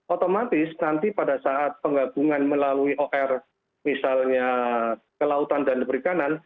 otomatis nanti pada saat penggabungan melalui or misalnya kelautan dan perikanan